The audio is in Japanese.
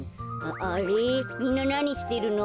あれみんななにしてるの？